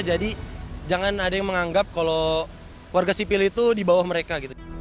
jadi jangan ada yang menganggap kalau warga sipil itu di bawah mereka